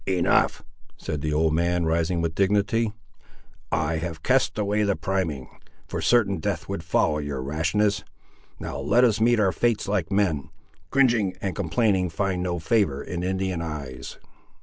"Enough," said the old man, rising with dignity; "I have cast away the priming; for certain death would follow your rashness. Now let us meet our fates like men. Cringing and complaining find no favour in Indian eyes."